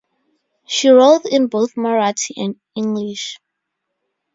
She wrote in both Marathi and English.